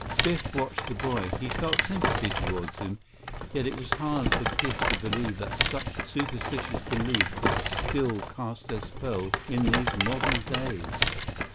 Biff watched the boy. He felt sympathy toward him, yet it was hard for Biff to believe that such superstitious beliefs could still cast their spell in these modern days.